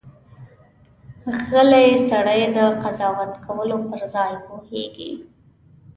غلی سړی، د قضاوت کولو پر ځای پوهېږي.